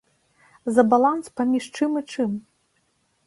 За баланс паміж чым і чым?